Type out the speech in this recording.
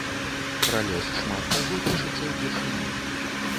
Пра лёс шмат каго пішацца ўпершыню.